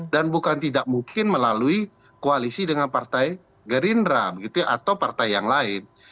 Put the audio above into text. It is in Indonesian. dan bukan tidak mungkin melalui koalisi dengan partai gerindra gitu ya atau partai yang lain